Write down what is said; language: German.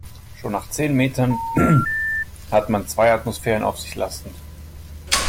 Schon nach zehn Metern hat man zwei Atmosphären auf sich lastend.